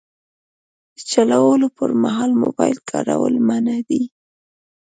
د چلولو پر مهال موبایل کارول منع دي.